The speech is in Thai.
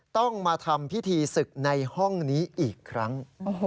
ต้องมาทำพิธีศึกในห้องนี้อีกครั้ง